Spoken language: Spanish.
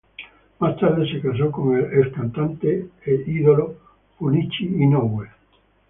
Más tarde se casó con el ex cantante e ídolo Junichi Inoue.